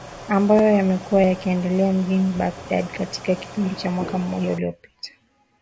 Ambayo yamekuwa yakiendelea mjini Baghdad katika kipindi cha mwaka mmoja uliopita.